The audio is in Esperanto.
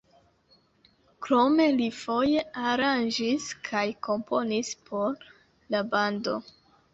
Krome li foje aranĝis kaj komponis por la bando.